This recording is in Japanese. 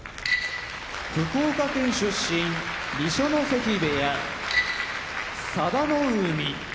福岡県出身二所ノ関部屋佐田の海